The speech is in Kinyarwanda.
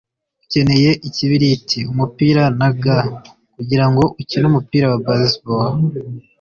Ukeneye ikibiriti, umupira na gants kugirango ukine umupira wa baseball.